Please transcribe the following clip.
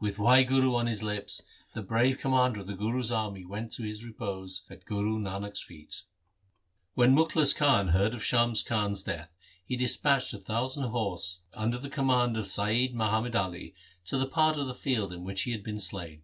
With Wahguru on his lips the brave commander of the Guru's army went to his repose at Guru Nanak's feet. When Mukhlis Khan heard of Shams Khan's death he dispatched a thousand horse under the command of Saiyid Muhammad Ali to the part of the field in which he had been slain.